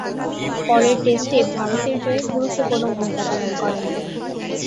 পরের টেস্টে ভারতের জয়ে গুরুত্বপূর্ণ ভূমিকা পালন করেন।